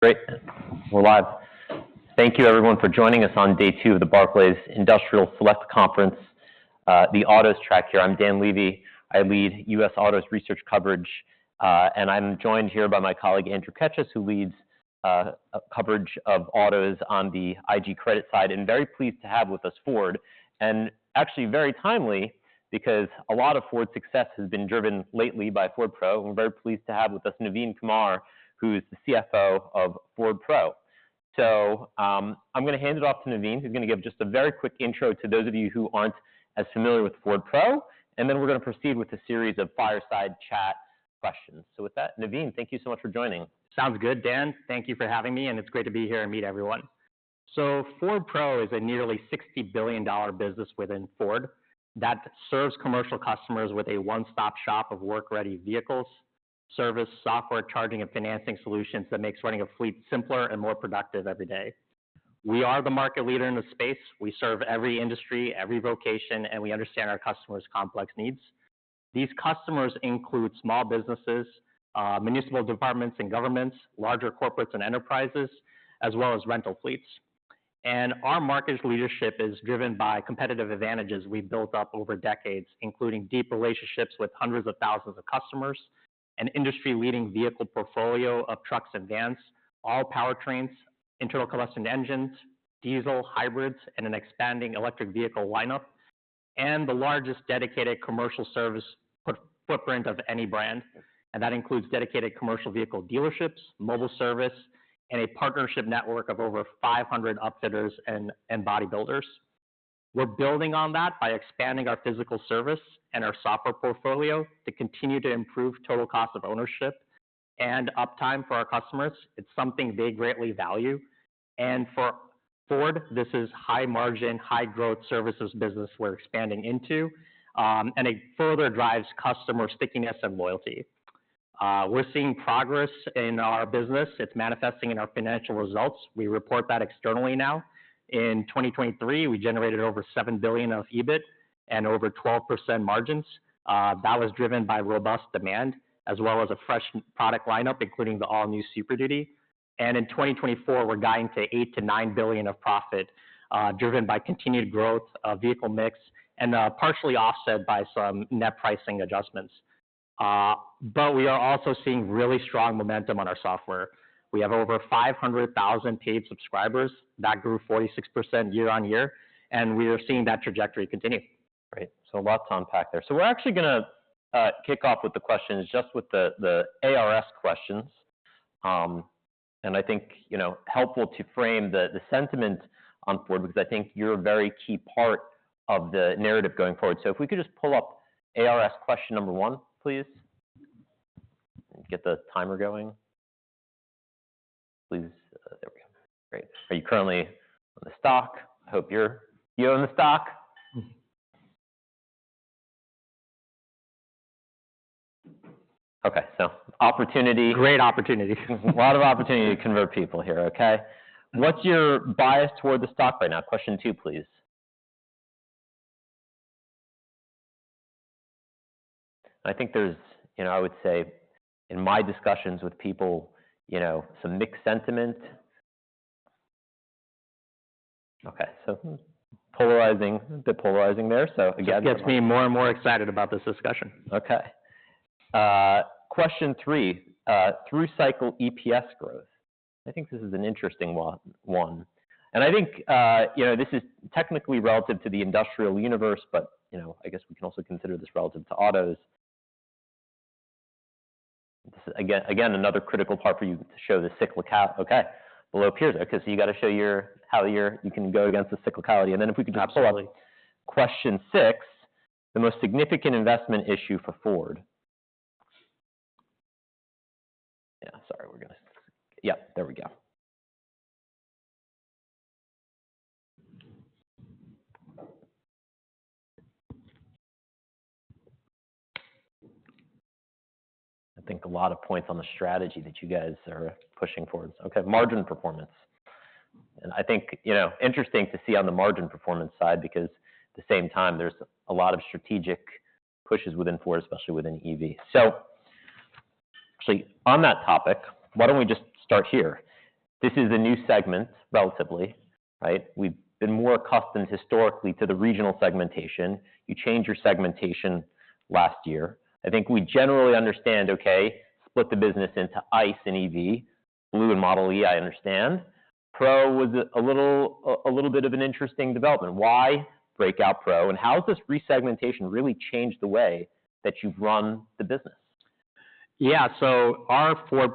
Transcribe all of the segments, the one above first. Great, we're live. Thank you everyone for joining us on day two of the Barclays Industrial Select Conference, the autos track here. I'm Dan Levy. I lead US Autos Research Coverage, and I'm joined here by my colleague, Andrew Keches, who leads a coverage of autos on the IG credit side, and very pleased to have with us, Ford. And actually very timely, because a lot of Ford's success has been driven lately by Ford Pro. We're very pleased to have with us Navin Kumar, who is the CFO of Ford Pro. So, I'm gonna hand it off to Navin, who's gonna give just a very quick intro to those of you who aren't as familiar with Ford Pro, and then we're gonna proceed with a series of fireside chat questions. So with that, Navin, thank you so much for joining. Sounds good, Dan. Thank you for having me, and it's great to be here and meet everyone. So Ford Pro is a nearly $60 billion business within Ford, that serves commercial customers with a one-stop shop of work-ready vehicles, service, software, charging, and financing solutions that makes running a fleet simpler and more productive every day. We are the market leader in this space. We serve every industry, every vocation, and we understand our customers' complex needs. These customers include small businesses, municipal departments and governments, larger corporates and enterprises, as well as rental fleets. And our market leadership is driven by competitive advantages we've built up over decades, including deep relationships with hundreds of thousands of customers, an industry-leading vehicle portfolio of trucks and vans, all powertrains, internal combustion engines, diesel, hybrids, and an expanding electric vehicle lineup, and the largest dedicated commercial service footprint of any brand. And that includes dedicated commercial vehicle dealerships, mobile service, and a partnership network of over 500 upfitters and bodybuilders. We're building on that by expanding our physical service and our software portfolio to continue to improve total cost of ownership and uptime for our customers. It's something they greatly value. And for Ford, this is high margin, high growth services business we're expanding into, and it further drives customer stickiness and loyalty. We're seeing progress in our business. It's manifesting in our financial results. We report that externally now. In 2023, we generated over $7 billion of EBIT and over 12% margins. That was driven by robust demand, as well as a fresh product lineup, including the all-new Super Duty. And in 2024, we're guiding to $8-$9 billion of profit, driven by continued growth of vehicle mix and, partially offset by some net pricing adjustments. But we are also seeing really strong momentum on our software. We have over 500,000 paid subscribers. That grew 46% year-on-year, and we are seeing that trajectory continue. Great. So a lot to unpack there. So we're actually gonna kick off with the questions, just with the ARS questions. And I think, you know, helpful to frame the sentiment on Ford, because I think you're a very key part of the narrative going forward. So if we could just pull up ARS question number one, please. Let me get the timer going. Please. There we go. Great. Are you currently on the stock? I hope you own the stock. Okay, so opportunity- Great opportunity. A lot of opportunity to convert people here, okay? What's your bias toward the stock right now? Question two, please. I think there's... You know, I would say in my discussions with people, you know, some mixed sentiment. Okay, so polarizing, bit polarizing there. So again- Just gets me more and more excited about this discussion. Okay. Question three, through cycle EPS growth. I think this is an interesting one. And I think, you know, this is technically relative to the industrial universe, but, you know, I guess we can also consider this relative to autos. Again, another critical part for you to show the cyclical- okay, well, up here. Okay, so you got to show your- how you can go against the cyclicality. And then if we could just pull up- Absolutely. Question six, the most significant investment issue for Ford. I think a lot of points on the strategy that you guys are pushing forward. Okay, margin performance. I think, you know, interesting to see on the margin performance side, because at the same time, there's a lot of strategic pushes within Ford, especially within EV. So actually, on that topic, why don't we just start here? This is a new segment, relatively, right? We've been more accustomed historically to the regional segmentation. You changed your segmentation last year. I think we generally understand, okay, split the business into ICE and EV, Blue and Model e, I understand. Pro was a little, a little bit of an interesting development. Why break out Pro, and how has this resegmentation really changed the way that you've run the business? Yeah, so our Ford+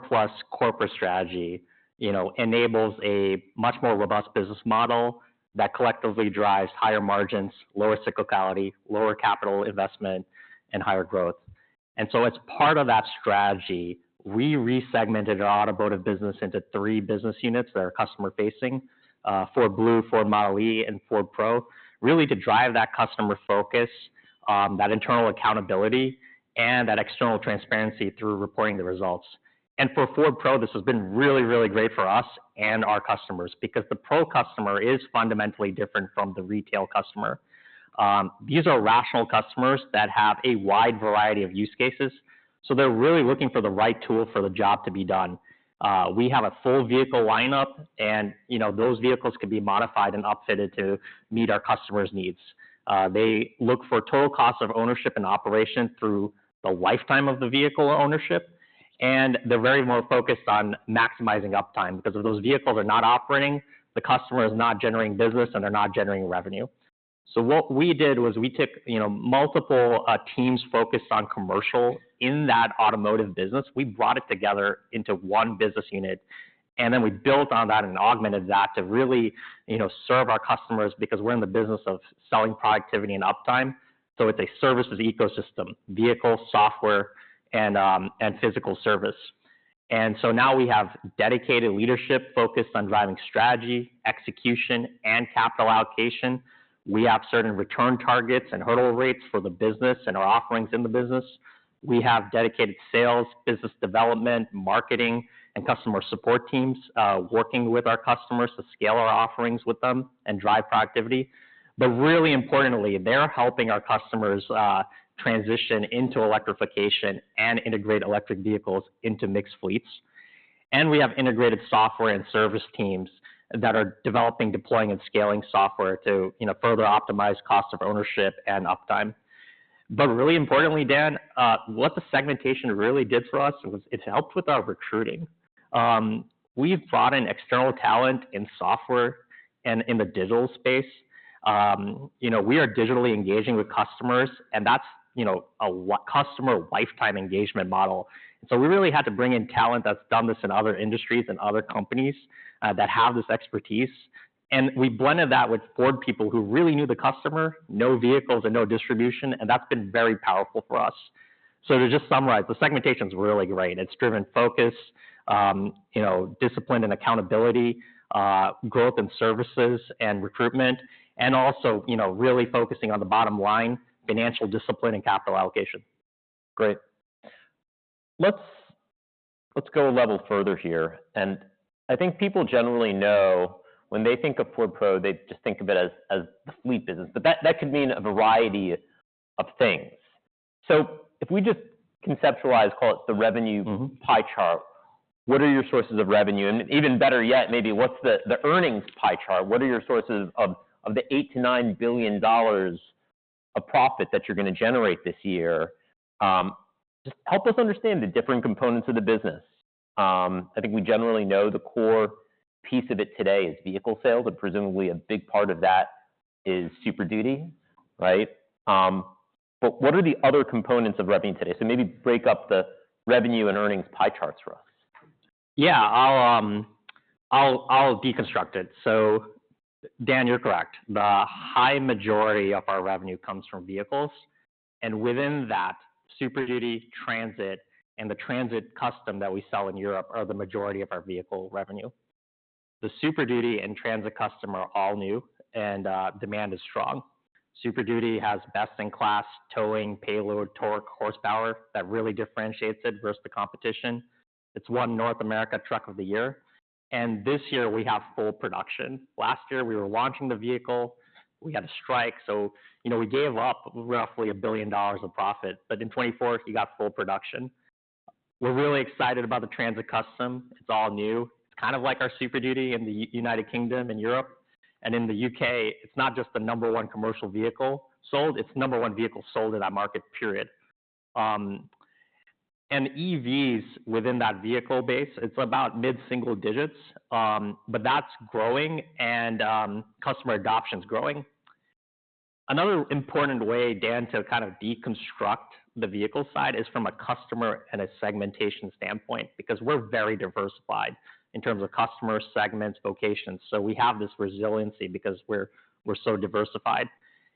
corporate strategy, you know, enables a much more robust business model that collectively drives higher margins, lower cyclicality, lower capital investment, and higher growth. And so as part of that strategy, we resegmented our automotive business into three business units that are customer-facing, Ford Blue, Ford Model e, and Ford Pro, really to drive that customer focus, that internal accountability, and that external transparency through reporting the results. And for Ford Pro, this has been really, really great for us and our customers, because the Pro customer is fundamentally different from the retail customer. These are rational customers that have a wide variety of use cases, so they're really looking for the right tool for the job to be done. We have a full vehicle lineup and, you know, those vehicles can be modified and upfitted to meet our customers' needs. They look for total cost of ownership and operation through the lifetime of the vehicle ownership, and they're very more focused on maximizing uptime, because if those vehicles are not operating, the customer is not generating business and they're not generating revenue. So what we did was we took, you know, multiple, teams focused on commercial in that automotive business. We brought it together into one business unit, and then we built on that and augmented that to really, you know, serve our customers because we're in the business of selling productivity and uptime. So it's a services ecosystem: vehicle, software, and, and physical service. And so now we have dedicated leadership focused on driving strategy, execution, and capital allocation. We have certain return targets and hurdle rates for the business and our offerings in the business. We have dedicated sales, business development, marketing, and customer support teams, working with our customers to scale our offerings with them and drive productivity. But really importantly, they're helping our customers, transition into electrification and integrate electric vehicles into mixed fleets. And we have integrated software and service teams that are developing, deploying, and scaling software to, you know, further optimize cost of ownership and uptime. But really importantly, Dan, what the segmentation really did for us was it's helped with our recruiting. We've brought in external talent in software and in the digital space. You know, we are digitally engaging with customers, and that's, you know, a customer lifetime engagement model. So we really had to bring in talent that's done this in other industries and other companies, that have this expertise. We blended that with Ford people who really knew the customer, know vehicles and know distribution, and that's been very powerful for us. To just summarize, the segmentation is really great. It's driven focus, you know, discipline and accountability, growth in services and recruitment, and also, you know, really focusing on the bottom line, financial discipline and capital allocation. Great. Let's, let's go a level further here. And I think people generally know when they think of Ford Pro, they just think of it as, as the fleet business, but that, that could mean a variety of things. So if we just conceptualize, call it the revenue- Mm-hmm. Pie chart, what are your sources of revenue? And even better yet, maybe what's the earnings pie chart? What are your sources of the $8 billion-$9 billion of profit that you're gonna generate this year? Just help us understand the different components of the business. I think we generally know the core piece of it today is vehicle sales, and presumably, a big part of that is Super Duty, right? But what are the other components of revenue today? So maybe break up the revenue and earnings pie charts for us. Yeah. I'll deconstruct it. So, Dan, you're correct. The high majority of our revenue comes from vehicles, and within that, Super Duty, Transit, and the Transit Custom that we sell in Europe are the majority of our vehicle revenue. The Super Duty and Transit Custom are all new, and demand is strong. Super Duty has best-in-class towing, payload, torque, horsepower that really differentiates it versus the competition. It's won North American Truck of the Year, and this year we have full production. Last year, we were launching the vehicle. We had a strike, so, you know, we gave up roughly $1 billion of profit. But in 2024, you got full production. We're really excited about the Transit Custom. It's all new. It's kind of like our Super Duty in the United Kingdom and Europe. In the UK, it's not just the number one commercial vehicle sold, it's number one vehicle sold in that market, period. And EVs within that vehicle base, it's about mid-single digits, but that's growing and, customer adoption is growing. Another important way, Dan, to kind of deconstruct the vehicle side is from a customer and a segmentation standpoint, because we're very diversified in terms of customer segments, vocations. So we have this resiliency because we're so diversified.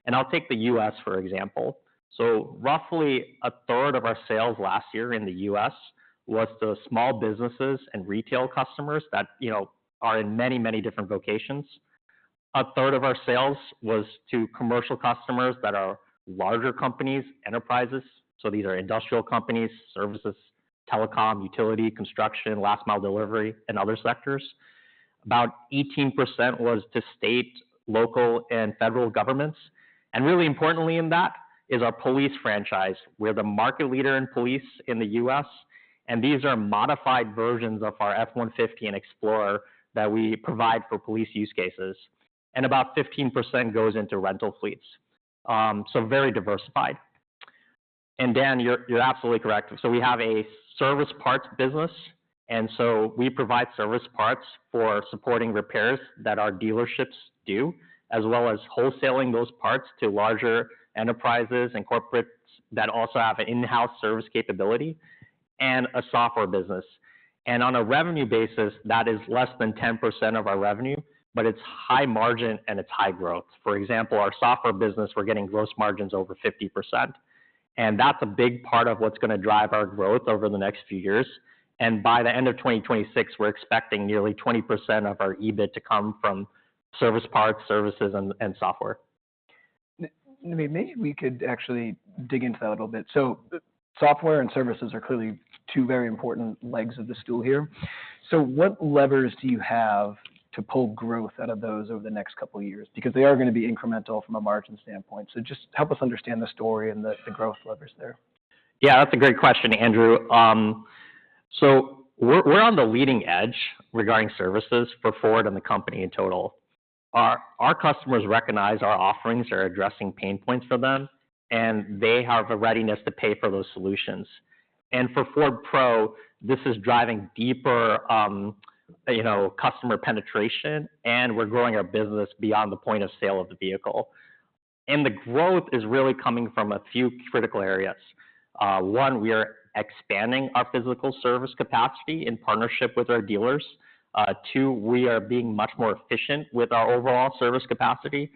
And I'll take the US, for example. So roughly a third of our sales last year in the US was to small businesses and retail customers that, you know, are in many, many different vocations. A third of our sales was to commercial customers that are larger companies, enterprises. So these are industrial companies, services, telecom, utility, construction, last mile delivery, and other sectors. About 18% was to state, local, and federal governments. Really importantly in that is our police franchise. We're the market leader in police in the U.S., and these are modified versions of our F-150 and Explorer that we provide for police use cases, and about 15% goes into rental fleets. So very diversified. And Dan, you're absolutely correct. So we have a service parts business, and so we provide service parts for supporting repairs that our dealerships do, as well as wholesaling those parts to larger enterprises and corporates that also have an in-house service capability and a software business. And on a revenue basis, that is less than 10% of our revenue, but it's high margin and it's high growth. For example, our software business, we're getting gross margins over 50%, and that's a big part of what's gonna drive our growth over the next few years. And by the end of 2026, we're expecting nearly 20% of our EBIT to come from service parts, services, and software.... maybe we could actually dig into that a little bit. So software and services are clearly two very important legs of the stool here. So what levers do you have to pull growth out of those over the next couple of years? Because they are gonna be incremental from a margin standpoint. So just help us understand the story and the growth levers there. Yeah, that's a great question, Andrew. So we're on the leading edge regarding services for Ford and the company in total. Our customers recognize our offerings are addressing pain points for them, and they have a readiness to pay for those solutions. And for Ford Pro, this is driving deeper, you know, customer penetration, and we're growing our business beyond the point of sale of the vehicle. And the growth is really coming from a few critical areas. One, we are expanding our physical service capacity in partnership with our dealers. Two, we are being much more efficient with our overall service capacity.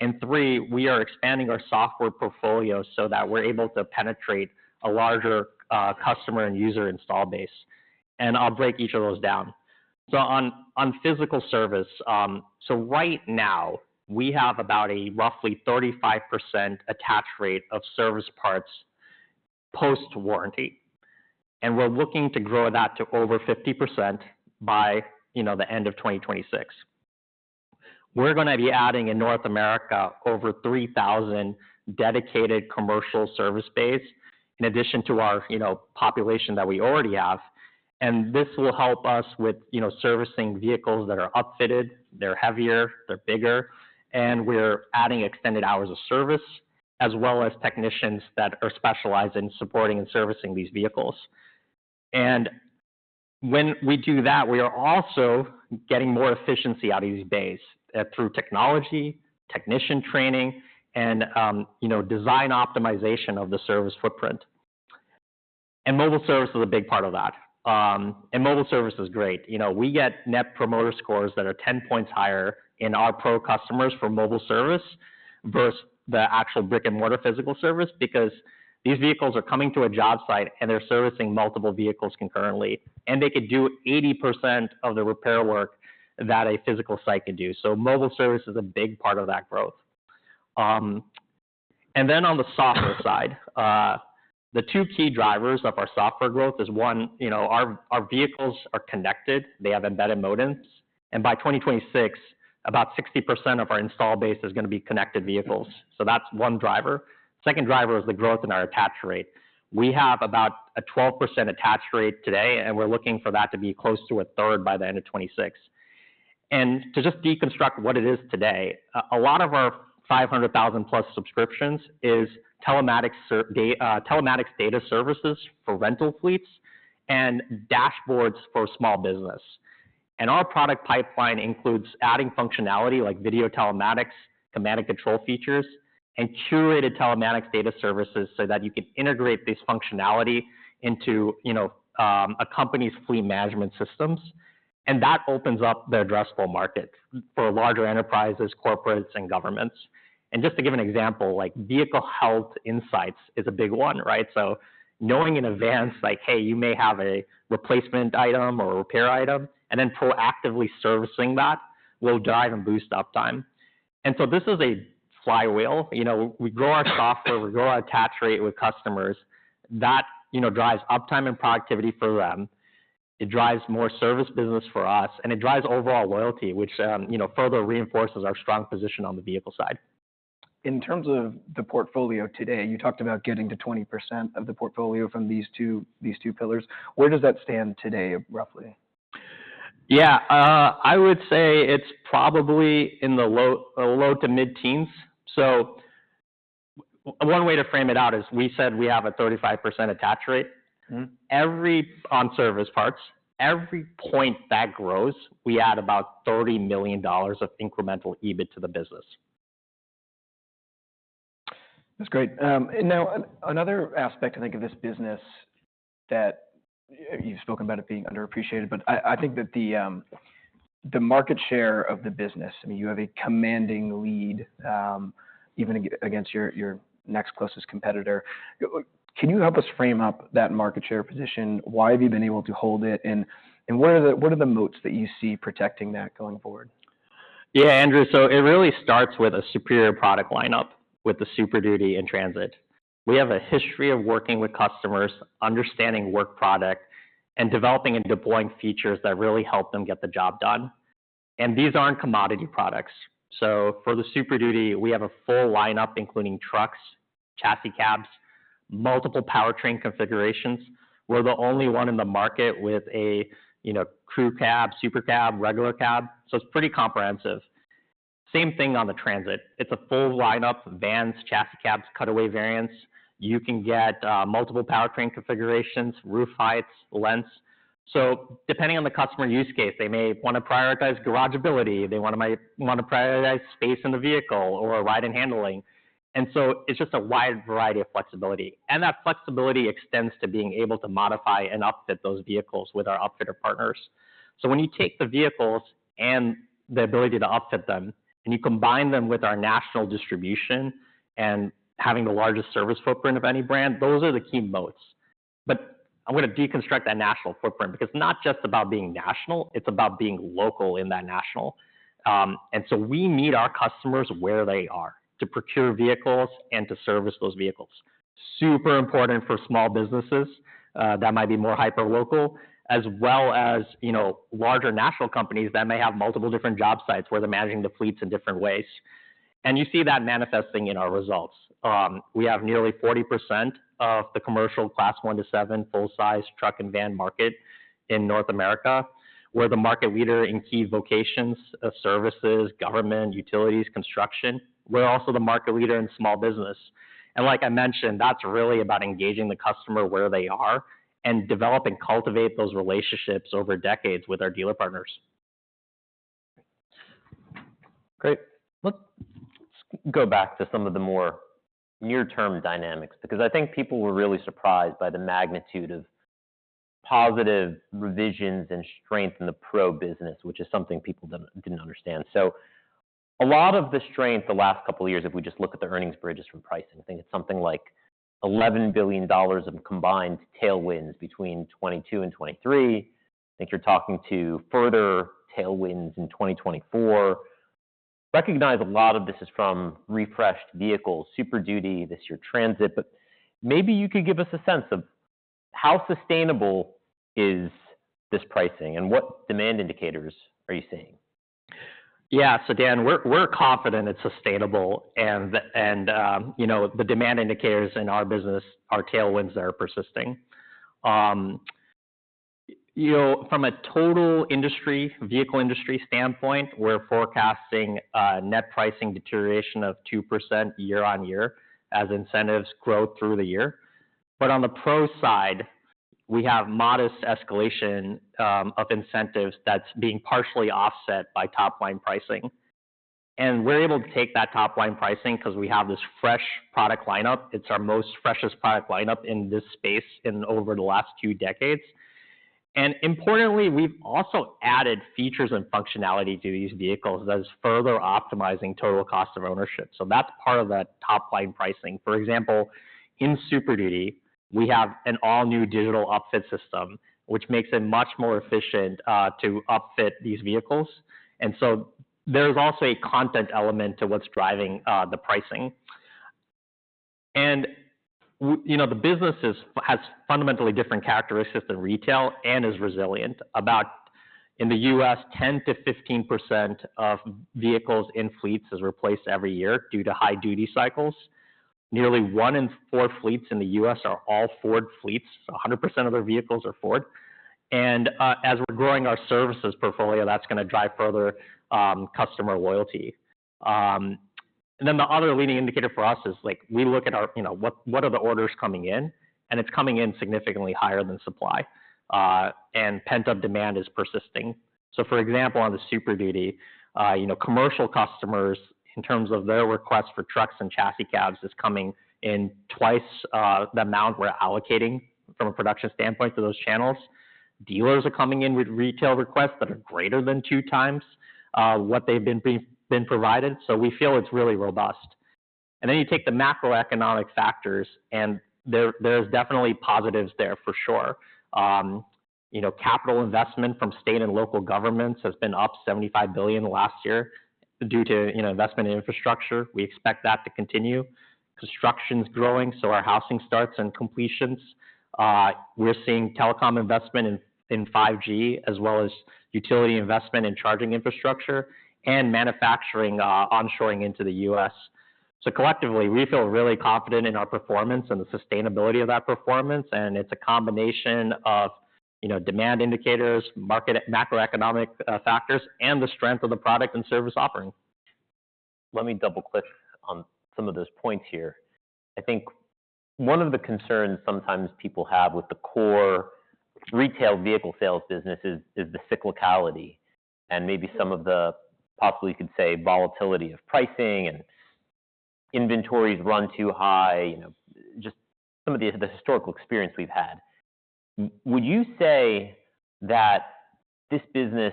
And three, we are expanding our software portfolio so that we're able to penetrate a larger customer and user install base. And I'll break each of those down. So on physical service, right now, we have about a roughly 35% attached rate of service parts post-warranty, and we're looking to grow that to over 50% by, you know, the end of 2026. We're gonna be adding, in North America, over 3,000 dedicated commercial service base, in addition to our, you know, population that we already have, and this will help us with, you know, servicing vehicles that are upfitted, they're heavier, they're bigger, and we're adding extended hours of service, as well as technicians that are specialized in supporting and servicing these vehicles. And when we do that, we are also getting more efficiency out of these base through technology, technician training, and, you know, design optimization of the service footprint. And mobile service is a big part of that. And mobile service is great. You know, we get net promoter scores that are 10 points higher in our Pro customers for mobile service versus the actual brick-and-mortar physical service, because these vehicles are coming to a job site, and they're servicing multiple vehicles concurrently, and they could do 80% of the repair work that a physical site could do. So mobile service is a big part of that growth. Then on the software side, the two key drivers of our software growth is, one, you know, our, our vehicles are connected, they have embedded modems, and by 2026, about 60% of our install base is gonna be connected vehicles. So that's one driver. Second driver is the growth in our attach rate. We have about a 12% attach rate today, and we're looking for that to be close to a third by the end of 2026. To just deconstruct what it is today, a lot of our 500,000-plus subscriptions is telematics data services for rental fleets and dashboards for small business. Our product pipeline includes adding functionality like video telematics, thematic control features, and curated telematics data services so that you can integrate this functionality into, you know, a company's fleet management systems, and that opens up the addressable market for larger enterprises, corporates, and governments. Just to give an example, like, vehicle health insights is a big one, right? So knowing in advance, like, hey, you may have a replacement item or a repair item, and then proactively servicing that will drive and boost uptime. So this is a flywheel. You know, we grow our software, we grow our attach rate with customers, that, you know, drives uptime and productivity for them, it drives more service business for us, and it drives overall loyalty, which, you know, further reinforces our strong position on the vehicle side. In terms of the portfolio today, you talked about getting to 20% of the portfolio from these two, these two pillars. Where does that stand today, roughly? Yeah, I would say it's probably in the low- to mid-teens. So one way to frame it out is, we said we have a 35% attach rate. Mm-hmm. On service parts, every point that grows, we add about $30 million of incremental EBIT to the business. That's great. And now, another aspect, I think, of this business that you've spoken about it being underappreciated, but I think that the market share of the business, I mean, you have a commanding lead, even against your next closest competitor. Can you help us frame up that market share position? Why have you been able to hold it, and what are the moats that you see protecting that going forward? Yeah, Andrew. So it really starts with a superior product lineup, with the Super Duty and Transit. We have a history of working with customers, understanding work product, and developing and deploying features that really help them get the job done. These aren't commodity products. For the Super Duty, we have a full lineup, including trucks, chassis cabs, multiple powertrain configurations. We're the only one in the market with a, you know, crew cab,, regular cab, so it's pretty comprehensive. Same thing on the Transit. It's a full lineup of vans, chassis cabs, cutaway variants. You can get multiple powertrain configurations, roof heights, lengths. Depending on the customer use case, they may wanna prioritize garageability, they wanna prioritize space in the vehicle or ride and handling. And so it's just a wide variety of flexibility, and that flexibility extends to being able to modify and upfit those vehicles with our upfitter partners. So when you take the vehicles and the ability to upfit them, and you combine them with our national distribution and having the largest service footprint of any brand, those are the key moats. But I'm gonna deconstruct that national footprint, because it's not just about being national, it's about being local in that national. And so we meet our customers where they are to procure vehicles and to service those vehicles. Super important for small businesses that might be more hyperlocal, as well as, you know, larger national companies that may have multiple different job sites where they're managing the fleets in different ways. And you see that manifesting in our results. We have nearly 40% of the commercial Class one to seven full-size truck and van market in North America. We're the market leader in key vocations of services, government, utilities, construction. We're also the market leader in small business. Like I mentioned, that's really about engaging the customer where they are and develop and cultivate those relationships over decades with our dealer partners. Great. Let's go back to some of the more near-term dynamics, because I think people were really surprised by the magnitude of positive revisions and strength in the Pro business, which is something people didn't, didn't understand. So a lot of the strength the last couple of years, if we just look at the earnings bridges from pricing, I think it's something like $11 billion of combined tailwinds between 2022 and 2023. I think you're talking to further tailwinds in 2024. Recognize a lot of this is from refreshed vehicles, Super Duty, this year Transit, but maybe you could give us a sense of how sustainable is this pricing and what demand indicators are you seeing? Yeah. So Dan, we're confident it's sustainable, and you know, the demand indicators in our business are tailwinds that are persisting. You know, from a total industry-vehicle industry standpoint, we're forecasting a net pricing deterioration of 2% year-on-year as incentives grow through the year. But on the pro side, we have modest escalation of incentives that's being partially offset by top-line pricing. And we're able to take that top-line pricing because we have this fresh product lineup. It's our most freshest product lineup in this space in over the last two decades. And importantly, we've also added features and functionality to these vehicles that is further optimizing total cost of ownership. So that's part of that top-line pricing. For example, in Super Duty, we have an all-new digital upfit system, which makes it much more efficient to upfit these vehicles. And so there's also a content element to what's driving, the pricing. And you know, the business has fundamentally different characteristics than retail and is resilient. About, in the U.S., 10%-15% of vehicles in fleets is replaced every year due to high duty cycles. Nearly one in four fleets in the U.S. are all Ford fleets, 100% of their vehicles are Ford. And, as we're growing our services portfolio, that's gonna drive further, customer loyalty. And then the other leading indicator for us is, like, we look at our, you know, what, what are the orders coming in? And it's coming in significantly higher than supply, and pent-up demand is persisting. So, for example, on the Super Duty, you know, commercial customers, in terms of their request for trucks and chassis cabs, is coming in twice the amount we're allocating from a production standpoint to those channels. Dealers are coming in with retail requests that are greater than 2 times what they've been provided. So we feel it's really robust. And then you take the macroeconomic factors, and there's definitely positives there for sure. You know, capital investment from state and local governments has been up $75 billion last year due to, you know, investment in infrastructure. We expect that to continue. Construction's growing, so our housing starts and completions. We're seeing telecom investment in 5G, as well as utility investment in charging infrastructure and manufacturing, onshoring into the U.S. Collectively, we feel really confident in our performance and the sustainability of that performance, and it's a combination of, you know, demand indicators, market macroeconomic factors, and the strength of the product and service offering. Let me double-click on some of those points here. I think one of the concerns sometimes people have with the core retail vehicle sales business is the cyclicality, and maybe some of the, possibly you could say, volatility of pricing and inventories run too high, you know, just some of the, the historical experience we've had. Would you say that this business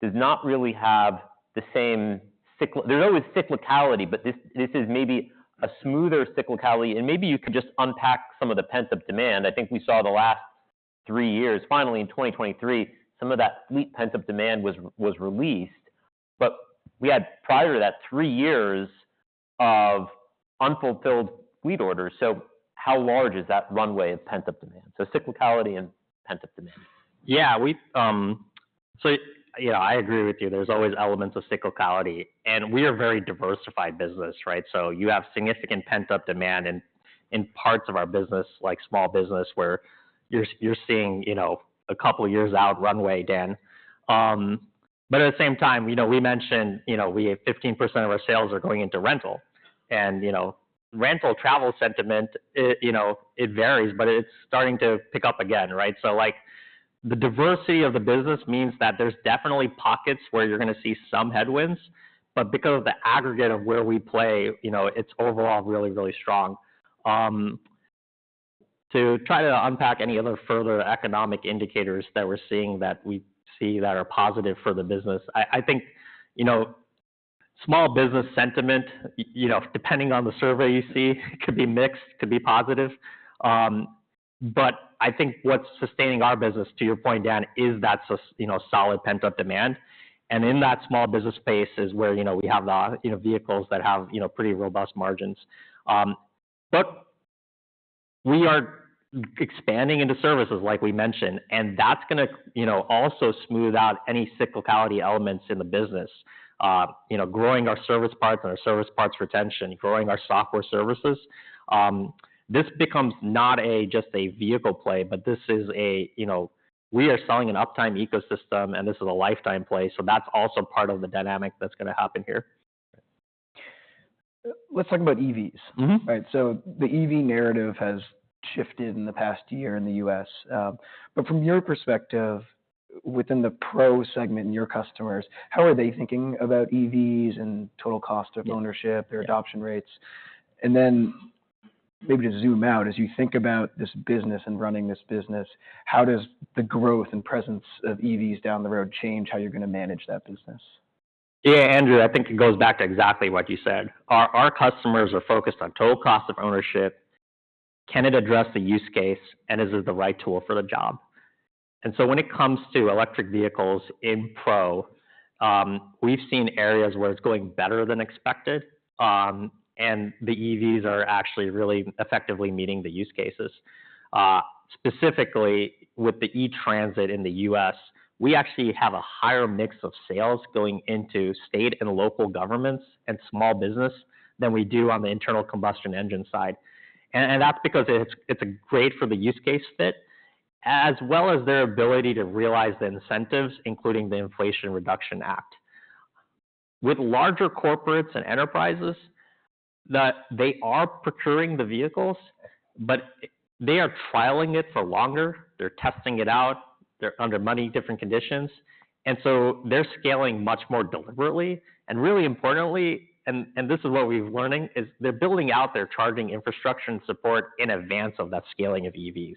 does not really have the same cyclicality—there's always cyclicality, but this, this is maybe a smoother cyclicality, and maybe you could just unpack some of the pent-up demand. I think we saw the last three years, finally, in 2023, some of that fleet pent-up demand was released, but we had, prior to that, three years of unfulfilled fleet orders. So how large is that runway of pent-up demand? So cyclicality and pent-up demand. Yeah, we... So, you know, I agree with you. There's always elements of cyclicality, and we are a very diversified business, right? So you have significant pent-up demand in, in parts of our business, like small business, where you're, you're seeing, you know, a couple of years out runway, Dan. But at the same time, you know, we mentioned, you know, we have 15% of our sales are going into rental. And, you know, rental travel sentiment, you know, it varies, but it's starting to pick up again, right? So, like, the diversity of the business means that there's definitely pockets where you're gonna see some headwinds, but because of the aggregate of where we play, you know, it's overall really, really strong. To try to unpack any other further economic indicators that we're seeing, that we see that are positive for the business, I think, you know, small business sentiment, you know, depending on the survey you see, could be mixed, could be positive. But I think what's sustaining our business, to your point, Dan, is that, you know, solid pent-up demand. And in that small business space is where, you know, we have the, you know, vehicles that have, you know, pretty robust margins. But we are expanding into services, like we mentioned, and that's gonna, you know, also smooth out any cyclicality elements in the business. You know, growing our service parts and our service parts retention, growing our software services, this becomes not just a vehicle play, but this is a, you know, we are selling an uptime ecosystem, and this is a lifetime play, so that's also part of the dynamic that's gonna happen here. Let's talk about EVs. Mm-hmm. Right. So the EV narrative has shifted in the past year in the U.S. But from your perspective, within the Pro segment and your customers, how are they thinking about EVs and total cost of ownership? Yeah. Their adoption rates? And then maybe to zoom out, as you think about this business and running this business, how does the growth and presence of EVs down the road change how you're gonna manage that business? Yeah, Andrew, I think it goes back to exactly what you said. Our customers are focused on total cost of ownership. Can it address the use case, and is it the right tool for the job? And so when it comes to electric vehicles in Pro, we've seen areas where it's going better than expected, and the EVs are actually really effectively meeting the use cases. Specifically, with the E-Transit in the U.S., we actually have a higher mix of sales going into state and local governments and small business than we do on the internal combustion engine side. And that's because it's great for the use case fit, as well as their ability to realize the incentives, including the Inflation Reduction Act. With larger corporates and enterprises, that they are procuring the vehicles, but they are trialing it for longer, they're testing it out, they're under many different conditions, and so they're scaling much more deliberately. And really importantly, this is what we're learning, is they're building out their charging infrastructure and support in advance of that scaling of EVs.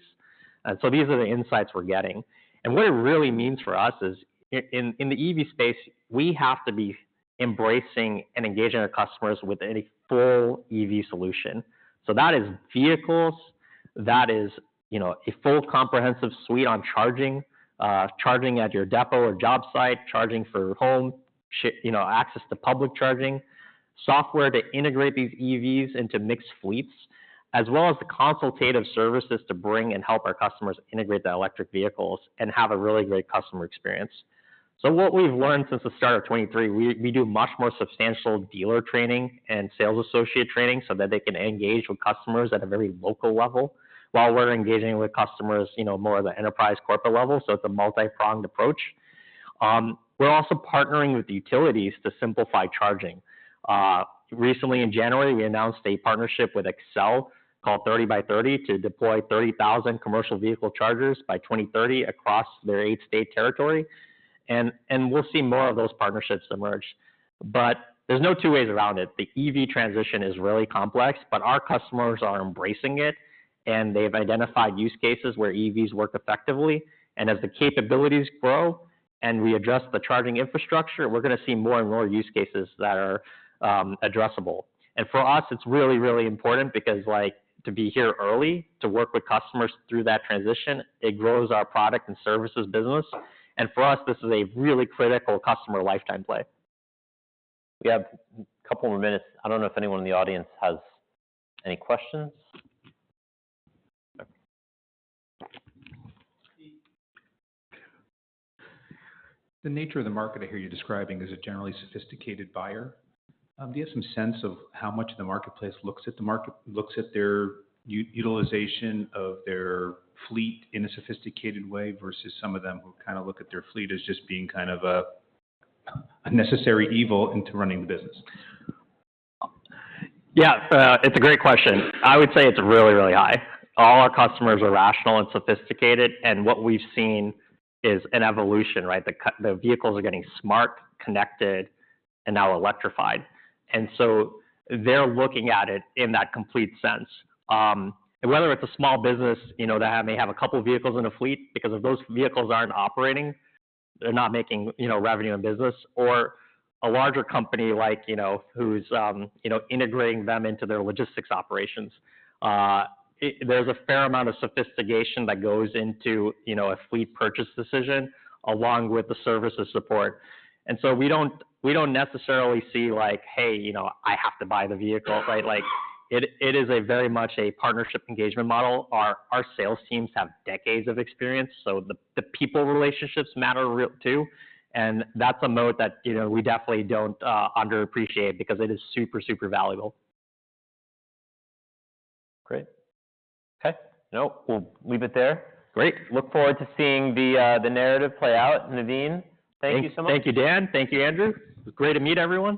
And so these are the insights we're getting. And what it really means for us is, in the EV space, we have to be embracing and engaging our customers with a full EV solution. So that is vehicles, that is, you know, a full comprehensive suite on charging, charging at your depot or job site, charging for home, you know, access to public charging, software to integrate these EVs into mixed fleets, as well as the consultative services to bring and help our customers integrate the electric vehicles and have a really great customer experience. So what we've learned since the start of 2023, we do much more substantial dealer training and sales associate training so that they can engage with customers at a very local level, while we're engaging with customers, you know, more at the enterprise corporate level, so it's a multipronged approach. We're also partnering with utilities to simplify charging. Recently in January, we announced a partnership with Xcel, called 30x30, to deploy 30,000 commercial vehicle chargers by 2030 across their eight state territory. And we'll see more of those partnerships emerge. But there's no two ways around it. The EV transition is really complex, but our customers are embracing it, and they've identified use cases where EVs work effectively. And as the capabilities grow and we adjust the charging infrastructure, we're gonna see more and more use cases that are addressable. And for us, it's really, really important because, like, to be here early, to work with customers through that transition, it grows our product and services business. And for us, this is a really critical customer lifetime play. We have a couple more minutes. I don't know if anyone in the audience has any questions? Okay. The nature of the market I hear you describing is a generally sophisticated buyer. Do you have some sense of how much the marketplace looks at the market, looks at their utilization of their fleet in a sophisticated way, versus some of them who kind of look at their fleet as just being kind of a necessary evil into running the business? Yeah, it's a great question. I would say it's really, really high. All our customers are rational and sophisticated, and what we've seen is an evolution, right? The vehicles are getting smart, connected, and now electrified. And so they're looking at it in that complete sense. And whether it's a small business, you know, that may have a couple vehicles in a fleet, because if those vehicles aren't operating, they're not making, you know, revenue in business, or a larger company like, you know, who's, you know, integrating them into their logistics operations. There's a fair amount of sophistication that goes into, you know, a fleet purchase decision, along with the services support. And so we don't, we don't necessarily see, like, "Hey, you know, I have to buy the vehicle," right? Like, it, it is a very much a partnership engagement model. Our sales teams have decades of experience, so the people relationships matter really too. And that's a mode that, you know, we definitely don't underappreciate, because it is super, super valuable. Great. Okay. No, we'll leave it there. Great. Look forward to seeing the narrative play out. Navin, thank you so much. Thank you, Dan. Thank you, Andrew. It was great to meet everyone.